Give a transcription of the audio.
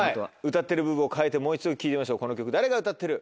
歌ってる部分を変えてもう一度聴いてみましょうこの曲誰が歌ってる？